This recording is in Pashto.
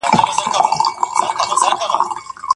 ځان پیژندل لویه پوهه ده.